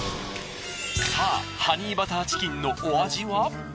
さぁハニーバターチキンのお味は？